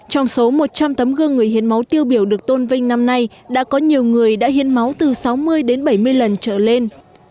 trong số một trăm linh tấm gương người hiến máu tiêu biểu được tôn vinh năm nay đã có nhiều người đã hiến máu từ sáu mươi đến bảy mươi lần trở lên